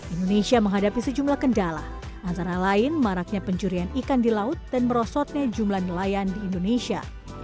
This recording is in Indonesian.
indonesia menghadapi sejumlah kendala antara lain maraknya pencurian ikan di laut dan merosotnya jumlah nelayan di indonesia